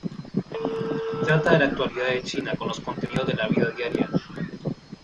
Trata de la actualidad de China, con los contenidos de la vida diaria.